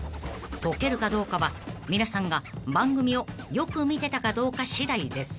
［解けるかどうかは皆さんが番組をよく見てたかどうか次第です］